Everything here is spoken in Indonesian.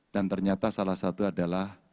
dan ternyata salah satu adalah